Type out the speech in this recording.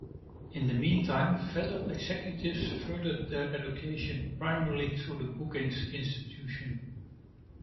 In the meantime, federal executives furthered their education primarily through the Brookings Institution.